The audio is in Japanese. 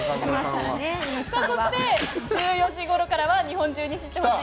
そして、１４時ごろからは日本中に知ってほしい！